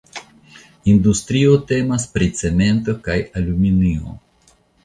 Industrio temas pri cemento kaj aluminio.